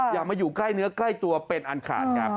อย่ามาอยู่ใกล้เนื้อใกล้ตัวเป็นอันขาดครับ